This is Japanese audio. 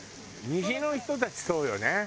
西の人たちそうよね。